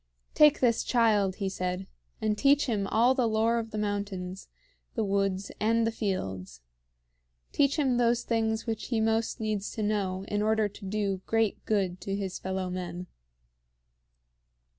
"Take this child," he said, "and teach him all the lore of the mountains, the woods, and the fields. Teach him those things which he most needs to know in order to do great good to his fellow men."